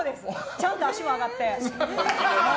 ちゃんと足も上がって。